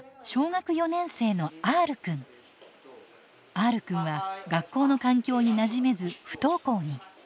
Ｒくんは学校の環境になじめず不登校に。